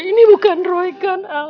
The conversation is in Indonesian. ini bukan roy kan